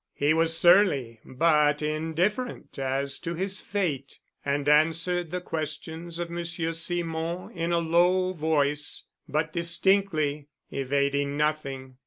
He was surly but indifferent as to his fate, and answered the questions of Monsieur Simon in a low voice, but distinctly, evading nothing.